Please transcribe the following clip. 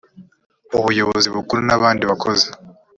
ubuyobozi bukuru n abandi bakozi